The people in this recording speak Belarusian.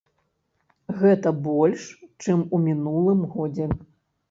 Гэта больш, чым у мінулым годзе.